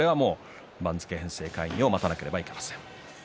番付編成会議を待たなければなりません。